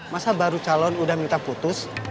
masa baru calon udah minta putus